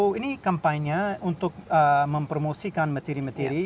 oh ini kampanye untuk mempromosikan materi materi